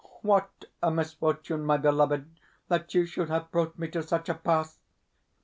What a misfortune, my beloved, that you should have brought me to such a pass!